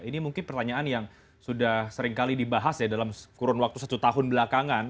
ini mungkin pertanyaan yang sudah seringkali dibahas ya dalam kurun waktu satu tahun belakangan